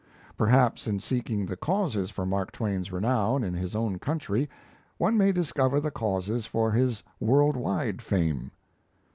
Perhaps in seeking the causes for Mark Twain's renown in his own country one may discover the causes for his world wide fame.